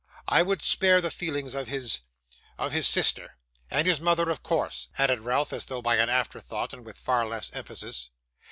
I would spare the feelings of his of his sister. And his mother of course,' added Ralph, as though by an afterthought, and with far less emphasis.